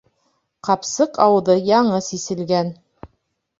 Ҡапсыҡ ауыҙы яңы сиселгән.